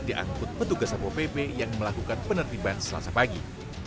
diangkut petugas apb yang melakukan penerimaan selasa pagi